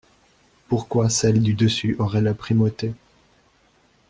Pourquoi celle du dessus aurait la primauté?